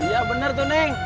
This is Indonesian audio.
iya bener tuh neng